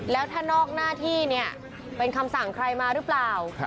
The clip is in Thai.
แล้วถ้านอกหน้าที่เนี่ยเป็นคำสั่งใครมาหรือเปล่า